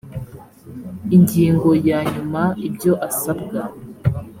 ingingo ya nyuma ibyo asabwa